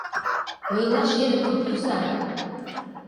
— Ойлаш эрыкым пуыза!